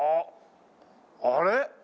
あれ？